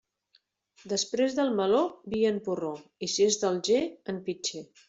Després del meló, vi en porró, i si és d'Alger, en pitxer.